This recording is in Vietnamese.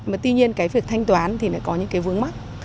mà tuy nhiên cái việc thanh toán thì lại có những cái vướng mắt